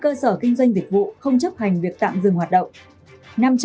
một mươi năm cơ sở kinh doanh dịch vụ không chấp hành việc tạm dừng hoạt động